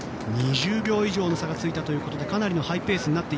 ２０秒以上の差がついたということでかなりのハイペース。